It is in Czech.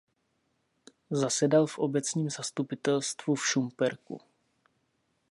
Zasedal v obecním zastupitelstvu v Šumperku.